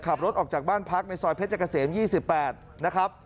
ขับรถออกจากบ้านพักในซอยเพชรเกษม๒๘นะครับ